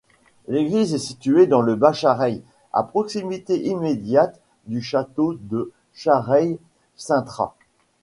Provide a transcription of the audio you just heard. L'église est située dans le bas Chareil, à proximité immédiate du château de Chareil-Cintrat.